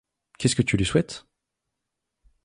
Qu’est-ce que tu lui souhaites ?